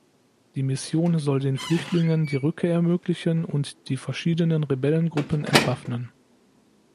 Die Mission soll den Flüchtlingen die Rückkehr ermöglichen und die verschiedenen Rebellengruppen entwaffnen.